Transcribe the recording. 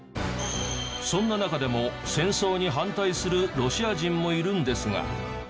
そんな中でも戦争に反対するロシア人もいるんですが。